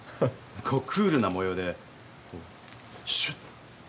こう、クールな模様でシュッ。